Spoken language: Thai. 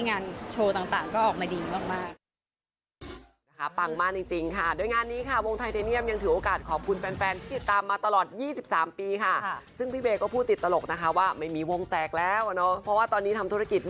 งานโชว์ต่างก็ออกมาดีมาก